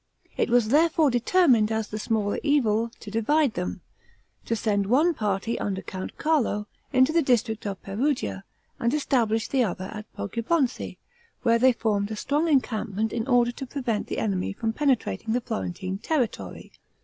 It was therefore determined, as the smaller evil, to divide them; to send one party, under Count Carlo, into the district of Perugia, and establish the other at Poggibonzi, where they formed a strong encampment in order to prevent the enemy from penetrating the Florentine territory.